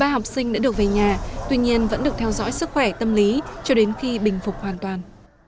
ba học sinh đã được về nhà tuy nhiên vẫn được theo dõi sức khỏe tâm lý cho đến khi bình phục hoàn toàn